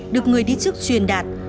được người đi trước truyền đạt